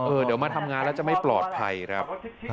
เดี๋ยวมาทำงานแล้วจะไม่ปลอดภัยครับ